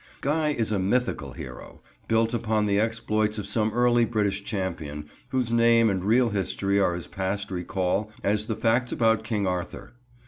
Guy is a mythical hero, built upon the exploits of some early British champion, whose name and real history are as past recall as the facts about King Arthur.